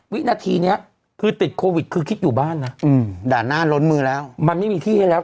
วินาทีนี้คือติดโควิดคือคิดอยู่บ้านนะด่านหน้าล้นมือแล้วมันไม่มีที่ให้แล้ว